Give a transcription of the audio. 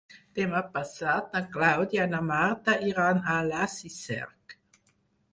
Demà passat na Clàudia i na Marta iran a Alàs i Cerc.